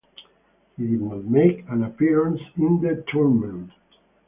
He did not make an appearance in the tournament.